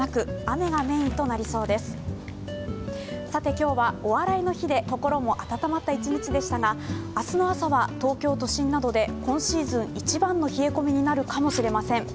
今日は「お笑いの日」で心もあたたまった一日でしたが、明日の朝は東京都心などで今シーズン一番の冷え込みになるかもしれません。